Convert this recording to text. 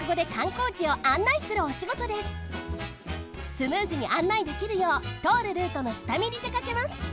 スムーズに案内できるようとおるルートのしたみにでかけます。